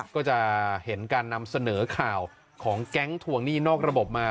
ก็จะเห็นการนำเสนอข่าวของแก๊งทวงหนี้นอกระบบมา